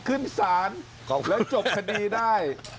ขึ้นศาลแล้วจบคดีได้